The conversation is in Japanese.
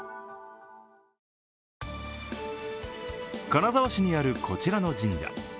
金沢市にあるこちらの神社。